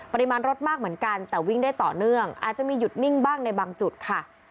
ปริมาณรถมากเหมือนกันแต่วิ่งได้ต่อเนื่องอาจจะมีหยุดนิ่งบ้างในบางจุดค่ะ